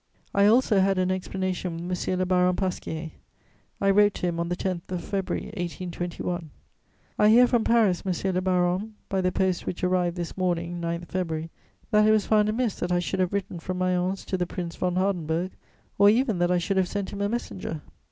] I also had an explanation with M. le Baron Pasquier; I wrote to him, on the 10th of February 1821: "I hear from Paris, monsieur le baron, by the post which arrived this morning, 9 February, that it was found amiss that I should have written from Mayence to the Prince von Hardenberg, or even that I should have sent him a messenger.